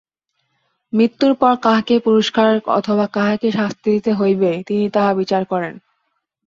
মৃত্যুর পর কাহাকে পুরস্কার অথবা কাহাকে শাস্তি দিতে হইবে, তিনি তাহা বিচার করেন।